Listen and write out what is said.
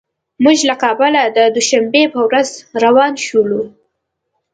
موږ له کابله د دوشنبې په ورځ روان شولو.